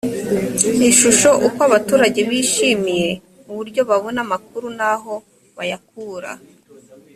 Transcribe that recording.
ishusho uko abaturage bishimiye uburyo babona amakuru n aho bayakura